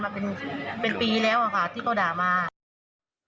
เพราะมันกวนตัดมาเป็นปีที่พี่ทำแบบก็ด่าเรามา